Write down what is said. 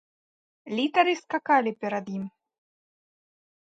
Літары скакалі перад ім.